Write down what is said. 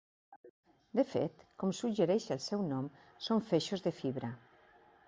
De fet, com suggereix el seu nom, són feixos de fibra.